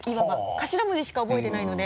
頭文字しか覚えてないので。